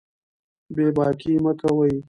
بې باکي مه کوئ.